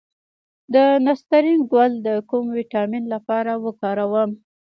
د نسترن ګل د کوم ویټامین لپاره وکاروم؟